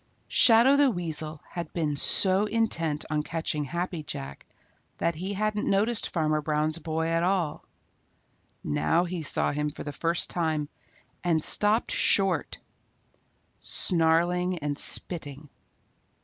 Shadow the Weasel had been so intent on catching Happy Jack that he hadn't noticed Farmer Brown's boy at all. Now he saw him for the first time and stopped short, snarling and spitting.